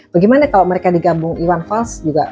bagaimana kalau mereka digabung iwan fals juga